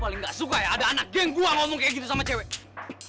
jangan ada anak geng gua ngomong kayak gitu sama cewek